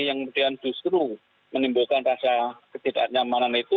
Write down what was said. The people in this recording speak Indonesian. yang kemudian justru menimbulkan rasa ketidaknyamanan itu